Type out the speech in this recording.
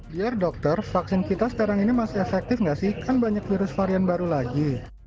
dear dokter vaksin kita sekarang ini masih efektif nggak sih kan banyak virus varian baru lagi